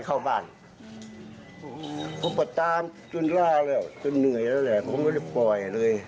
ผมก็ตามจนล่าแล้วจนเหนื่อยแล้วแหละผมก็เลยปล่อยเลย